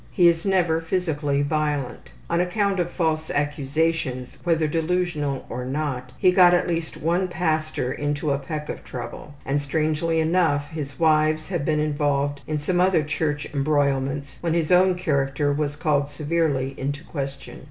He is never physically violent. On account of false accusations, whether delusional or not, he got at least one pastor into a peck of trouble, and, strangely enough, his wives have been involved in some other church embroilments when his own character was called severely into question.